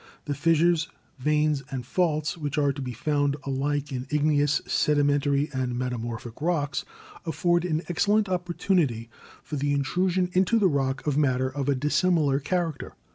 The fissures, veins and faults which are to be found alike in Igneous, Sedimentary and Metamorphic rocks afford an excellent opportunity for the intrusion into the STRUCTURAL GEOLOGY 177 rock of matter of a dissimilar character.